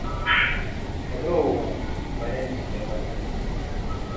Manteca is also in between the larger cities of Modesto and Stockton.